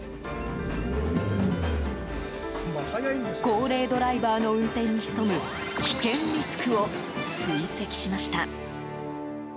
高齢ドライバーの運転に潜む危険リスクを追跡しました。